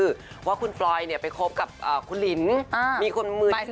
แบบว่าคุณปลอยไปคบกับคุณลิ๋นมีคุณมือตาม